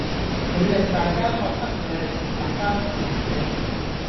佢令大家覺得佢係同大家同行嘅